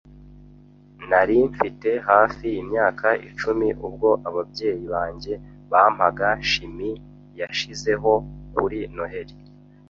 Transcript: Nari mfite hafi imyaka icumi ubwo ababyeyi banjye bampaga chimie yashizeho kuri Noheri.